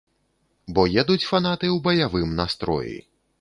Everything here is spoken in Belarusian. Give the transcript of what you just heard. Бо едуць фанаты ў баявым настроі.